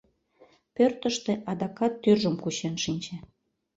Пӧртыштӧ адакат тӱржым кучен шинче.